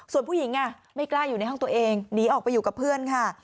ส่วนผู้หญิงไม่กล้าอยู่ในห้องตัวเองหนีออกไปอยู่กับเพื่อนค่ะ